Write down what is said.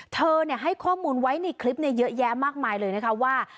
ให้ข้อมูลไว้ในคลิปเยอะแยะมากมายเลยนะคะว่า